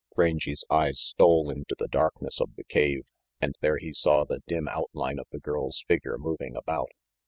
Rangy's eyes stole into the darkness of the cave, and there he saw the dim outline of the girl's figure moving about.